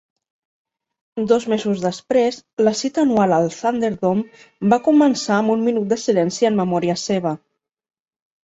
Dos mesos després, la cita anual al Thunderdom va començar amb un minut de silenci en memòria seva.